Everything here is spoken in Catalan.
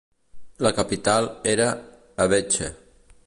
La capital era Abéché.